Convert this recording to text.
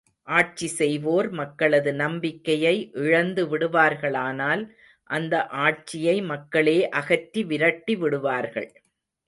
ஆட்சி செய்வோர் மக்களது நம்பிக்கையை இழந்து விடுவார்களானால் அந்த ஆட்சியை மக்களே அகற்றி விரட்டிவிடுவார்கள்.